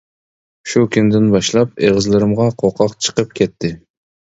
شۇ كۈندىن باشلاپ ئېغىزلىرىمغا قوقاق چىقىپ كەتتى.